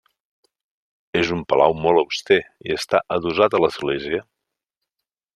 És un palau molt auster i està adossat a l'església.